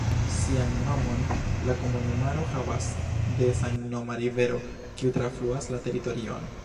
Sian nomon la komunumaro havas de samnoma rivero, kiu trafluas la teritorion.